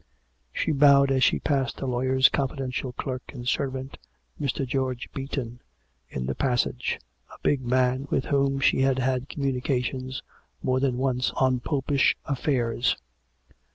She bowed as she passed the lawyer's confi dential clerk and servant, Mr. George Beaton, in the pas sage — a big man, with whom she had had communications more than once on Popish affairs.